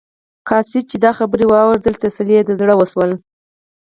قاصد چې دا خبرې واورېدلې تسلي یې د زړه وشوله.